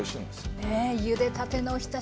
ねえゆでたてのおひたし